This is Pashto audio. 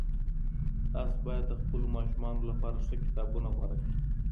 تاسو بايد د خپلو ماشومانو لپاره ښه کتابونه غوره کړئ.